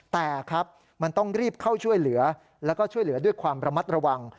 แต่ครับมันต้องรีบเข้าช่วยเหลือแล้วก็ช่วยเหลือด้วยความระมัดระวัง